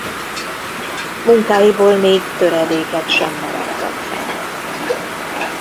Munkáiból még töredékek sem maradtak fenn.